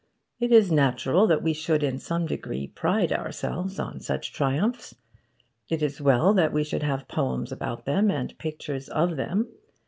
It is natural that we should, in some degree, pride ourselves on such triumphs. It is well that we should have poems about them, and pictures of them.